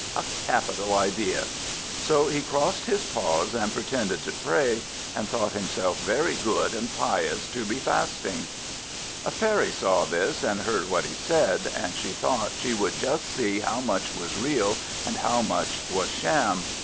A capital idea!" So he crossed his paws, and pretended to pray, and thought himself very good and pious to be fasting. A fairy saw this, and heard what he said; and she thought she would just see how much was real and how much was sham.